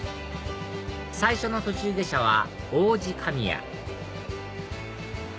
最初の途中下車は王子神谷